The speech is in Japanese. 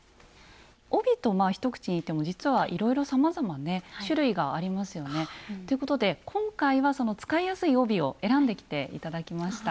帯とまあ一口に言っても実はいろいろさまざまね種類がありますよねということで今回は使いやすい帯を選んできて頂きました。